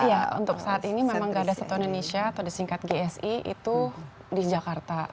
iya untuk saat ini memang gardas satwa indonesia atau di singkat gsi itu di jakarta